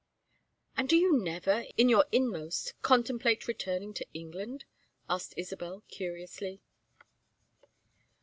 "And do you never, in your inmost, contemplate returning to England?" asked Isabel, curiously.